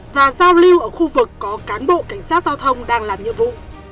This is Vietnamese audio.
và giao lưu ở khu vực có cán bộ cảnh sát giao thông đang làm nhiệm vụ